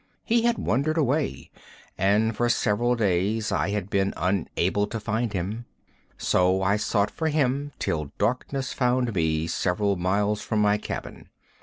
He had wandered away, and for several days I had been unable to find him. So I sought for him till darkness found me several miles from my cabin.